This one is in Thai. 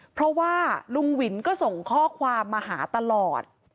เพราะว่าลุงวินก็ส่งข้อความมาหาตลอด